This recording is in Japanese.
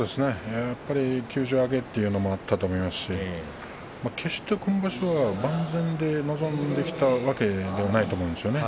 休場明けというのもあったと思いますし決して今場所は万全で臨んできたわけではないと思うんですよね。